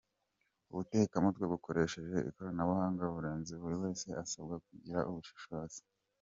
Ubutekamutwe bukoresheje ikoranabuhanga bureze buri wese asabwa kugira ubushishozi.